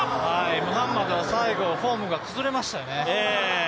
ムハンマドは最後フォームが崩れましたよね。